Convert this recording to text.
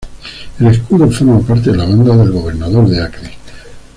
El escudo forma parte de la banda del gobernador de Acre.